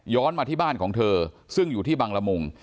มาที่บ้านของเธอซึ่งอยู่ที่บังละมุง